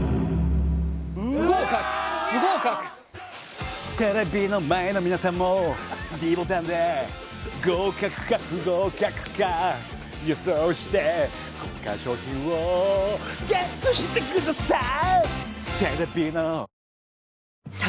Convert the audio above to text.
不合格不合格テレビの前の皆さんもｄボタンで合格か不合格か予想して豪華賞品をＧＥＴしてください